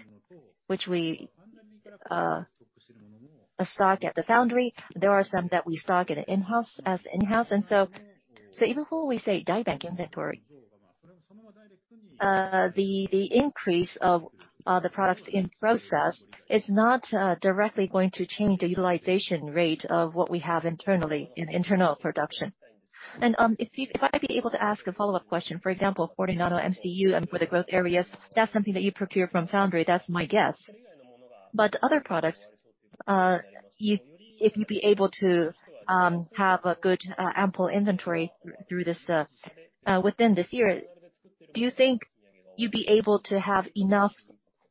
which we stock at the foundry. There are some that we stock in-house, as in-house. Even before we say die bank inventory, the increase of the products in process is not directly going to change the utilization rate of what we have internally in internal production. If I'd be able to ask a follow-up question, for example, for the 40nm MCU and for the growth areas, that's something that you procure from foundry. That's my guess. Other products, if you'd be able to have a good ample inventory through this within this year, do you think you'd be able to have enough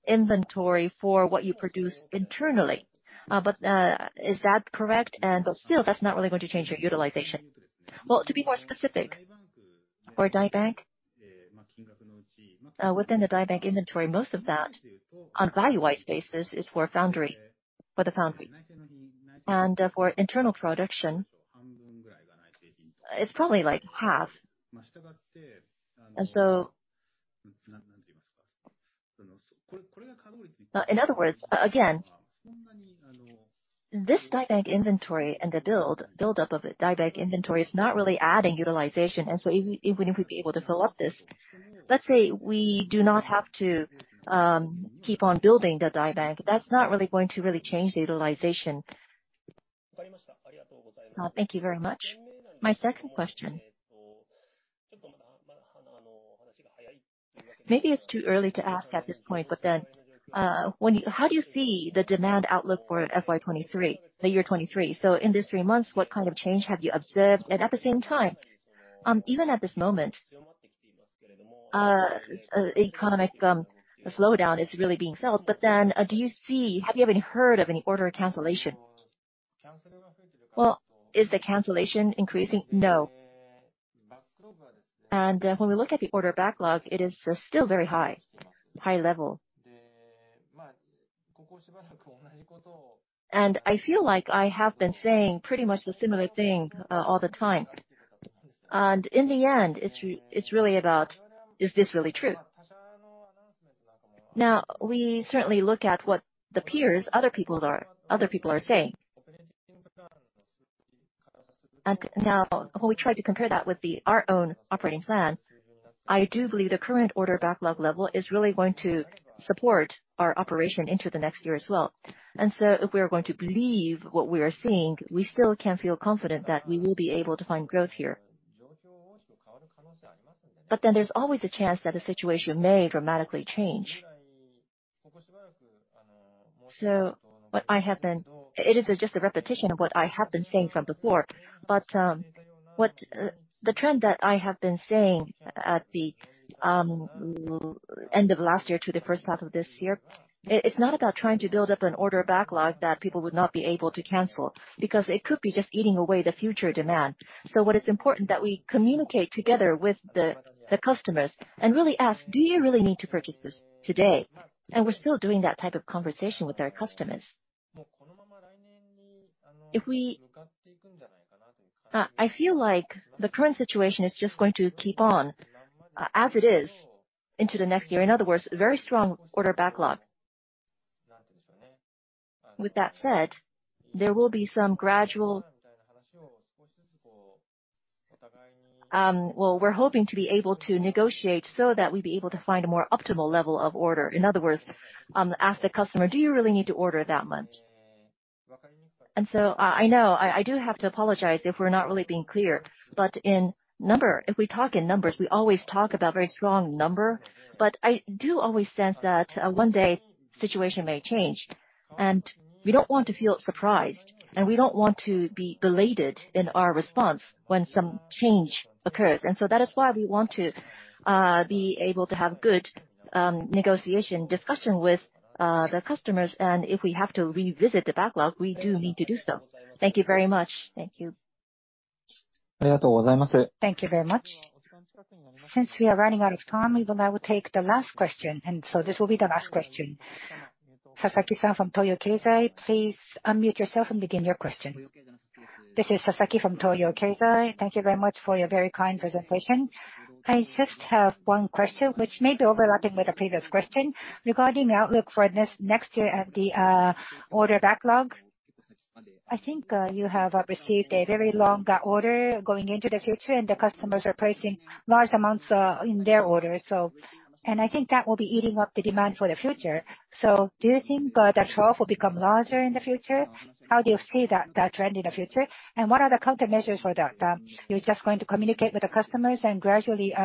inventory for what you produce internally? Is that correct? Still, that's not really going to change your utilization. Well, to be more specific, for die bank, within the die bank inventory, most of that on value-wise basis is for foundry, for the foundry. For internal production, it's probably like half. In other words, again, this die bank inventory and the buildup of the die bank inventory is not really adding utilization. Even if we'd be able to fill up this, let's say we do not have to keep on building the die bank, that's not really going to really change the utilization. Thank you very much. My 2nd question. Maybe it's too early to ask at this point, but, how do you see the demand outlook for FY 2023, the year 2023? In this three months, what kind of change have you observed? At the same time, even at this moment, economic slowdown is really being felt, but then, do you see, have you ever heard of any order cancellation? Well, is the cancellation increasing? No. When we look at the order backlog, it is still very high level. I feel like I have been saying pretty much the similar thing all the time. In the end, it's really about, is this really true? We certainly look at what the peers, other people are saying. Now when we try to compare that with our own operating plan, I do believe the current order backlog level is really going to support our operation into the next year as well. If we are going to believe what we are seeing, we still can feel confident that we will be able to find growth here. There's always a chance that the situation may dramatically change. It is just a repetition of what I have been saying from before, but the trend that I have been seeing at the end of last year to the 1st half of this year, it's not about trying to build up an order backlog that people would not be able to cancel, because it could be just eating away the future demand. What is important that we communicate together with the customers and really ask, "Do you really need to purchase this today?" We're still doing that type of conversation with our customers. I feel like the current situation is just going to keep on as it is into the next year. In other words, very strong order backlog. With that said, there will be some gradual. Well, we're hoping to be able to negotiate so that we'd be able to find a more optimal level of order. In other words, ask the customer, "Do you really need to order that much?" I know I do have to apologize if we're not really being clear, but in number, if we talk in numbers, we always talk about very strong number. I do always sense that one day, situation may change, and we don't want to feel surprised, and we don't want to be belated in our response when some change occurs. That is why we want to be able to have good negotiation discussion with the customers. If we have to revisit the backlog, we do need to do so. Thank you very much. Thank you. Thank you very much. Since we are running out of time, we will now take the last question, and this will be the last question. Sasaki-san from Toyo Keizai, please unmute yourself and begin your question. This is Sasaki from Toyo Keizai. Thank you very much for your very kind presentation. I just have one question, which may be overlapping with the previous question. Regarding the outlook for this next year and the order backlog, I think you have received a very long order going into the future, and the customers are placing large amounts in their orders. I think that will be eating up the demand for the future. Do you think the trough will become larger in the future? How do you see that trend in the future? And what are the countermeasures for that? You're just going to communicate with the customers and gradually,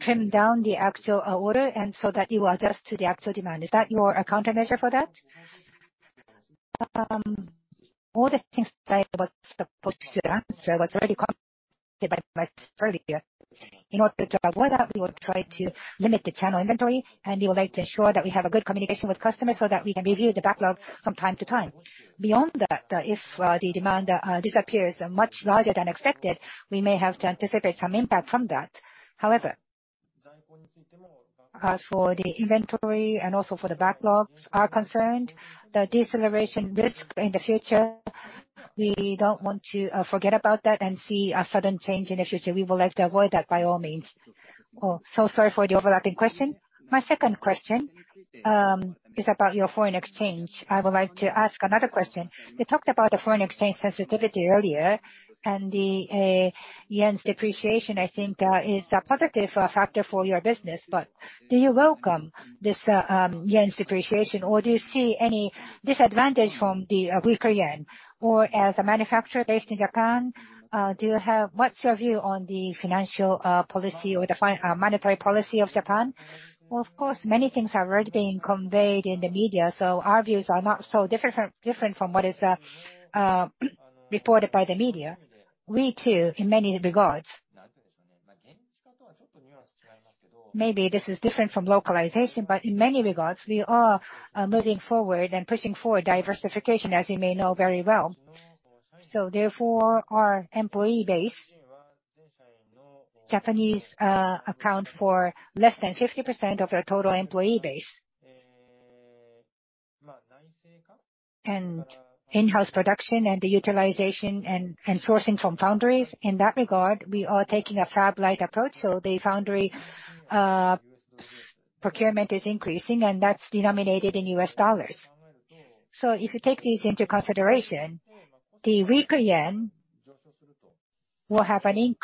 trim down the actual order and so that you adjust to the actual demand. Is that your countermeasure for that? All the things that I was supposed to answer was already covered by my colleague earlier. In order to avoid that, we will try to limit the channel inventory, and we would like to ensure that we have a good communication with customers so that we can review the backlog from time to time. Beyond that, if the demand disappears much larger than expected, we may have to anticipate some impact from that. However, as for the inventory and also for the backlogs are concerned, the deceleration risk in the future, we don't want to forget about that and see a sudden change in the future. We would like to avoid that by all means. Oh, so sorry for the overlapping question. My 2nd question is about your foreign exchange. I would like to ask another question. You talked about the foreign exchange sensitivity earlier and the yen's depreciation I think is a positive factor for your business. But do you welcome this yen's depreciation, or do you see any disadvantage from the weaker yen? Or as a manufacturer based in Japan, what's your view on the financial policy or the monetary policy of Japan? Well, of course, many things have already been conveyed in the media, so our views are not so different from what is reported by the media. We too, in many regards, maybe this is different from localization, but in many regards we are moving forward and pushing for diversification, as you may know very well. Our employee base, Japanese, account for less than 50% of our total employee base. In-house production and the utilization and sourcing from foundries, in that regard, we are taking a fab-lite approach, the foundry procurement is increasing, and that's denominated in US dollars. If you take these into consideration, the weaker yen will have an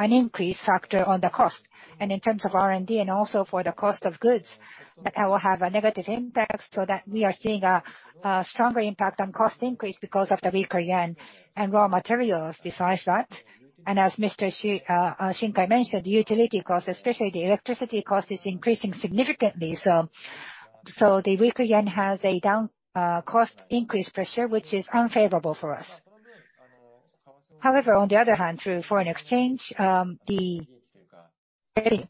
increase factor on the cost. In terms of R&D and also for the cost of goods, that will have a negative impact so that we are seeing a stronger impact on cost increase because of the weaker yen and raw materials besides that. As Mr. Shinkai mentioned, the utility cost, especially the electricity cost, is increasing significantly. The weaker yen has a downside cost increase pressure, which is unfavorable for us. However, on the other hand, through foreign exchange, the revenue,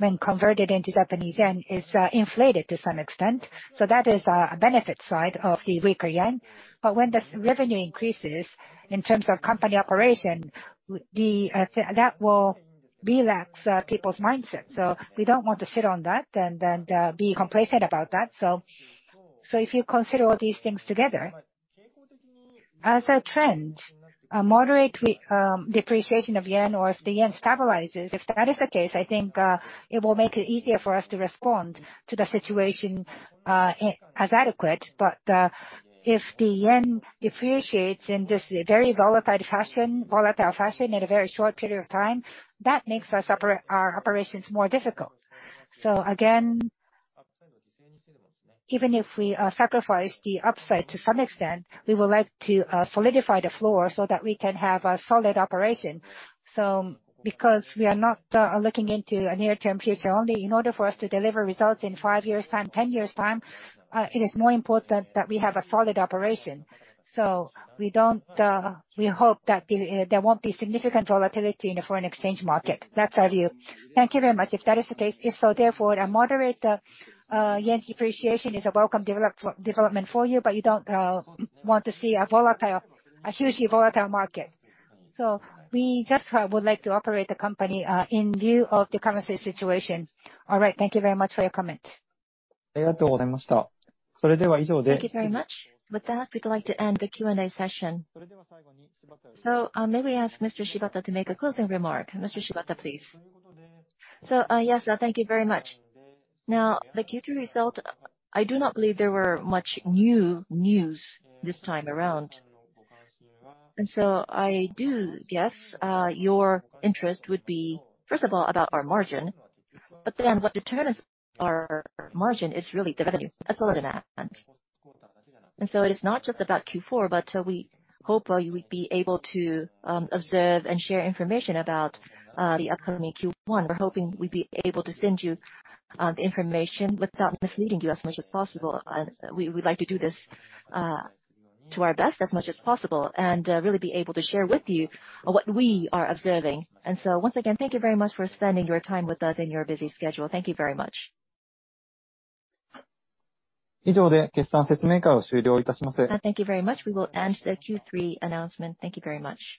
when converted into Japanese yen, is inflated to some extent. That is a benefit side of the weaker yen. When the revenue increases in terms of company operation, that will relax people's mindset. We don't want to sit on that and be complacent about that. If you consider all these things together, as a trend, a moderate depreciation of yen or if the yen stabilizes, if that is the case, I think it will make it easier for us to respond to the situation as adequate. If the yen depreciates in this very volatile fashion in a very short period of time, that makes our operations more difficult. Again, even if we sacrifice the upside to some extent, we would like to solidify the floor so that we can have a solid operation. Because we are not looking into a near-term future only, in order for us to deliver results in five years' time, 10 years' time, it is more important that we have a solid operation. We hope that there won't be significant volatility in the foreign exchange market. That's our view. Thank you very much. If that is the case, if so, therefore, a moderate yen depreciation is a welcome development for you, but you don't want to see a hugely volatile market. We just would like to operate the company in view of the currency situation. All right. Thank you very much for your comment. Thank you very much. With that, we'd like to end the Q&A session. May we ask Mr. Shibata to make a closing remark. Mr. Shibata, please. Yes. Thank you very much. Now, the Q3 result, I do not believe there were much new news this time around. I do guess your interest would be, 1st of all, about our margin. What determines our margin is really the revenue, solid amount. It is not just about Q4, but we hope you would be able to observe and share information about the upcoming Q1. We're hoping we'd be able to send you the information without misleading you as much as possible. We would like to do this to our best as much as possible and really be able to share with you what we are observing. Once again, thank you very much for spending your time with us in your busy schedule. Thank you very much. Thank you very much. We will end the Q3 announcement. Thank you very much.